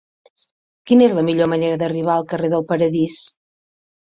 Quina és la millor manera d'arribar al carrer del Paradís?